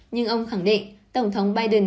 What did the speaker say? nhưng ông khẳng định tổng thống biden